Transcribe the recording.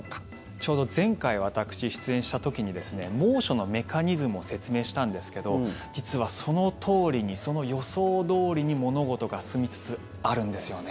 ちょうど前回私、出演した時に猛暑のメカニズムを説明したんですけど実は、そのとおりにその予想どおりに物事が進みつつあるんですよね。